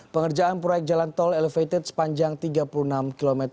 pengerjaan proyek jalan tol elevated sepanjang tiga puluh enam km